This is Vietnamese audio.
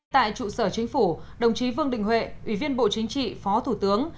tại trụ sở chính phủ đồng chí vương đình huệ ủy viên bộ chính trị phó thủ tướng